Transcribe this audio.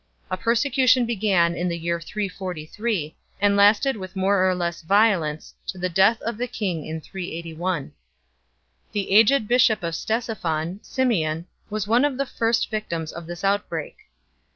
A persecu tion began in the year 343, and lasted with more or less violence to the death of the king in 381. The aged bishop of Ctesiphon, Symeon, was one of the first victims of this outbreak.